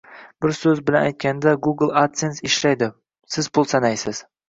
Bir so’z bilan aytganda, Google adsense ishlaydi, Siz pul sanaysiz